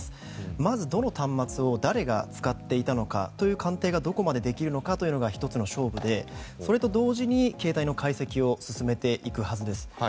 まずどの端末を誰が使っていたのかという鑑定がどこまでできるのかというのが１つの勝負でそれと同時に携帯の解析を進めていくはずです。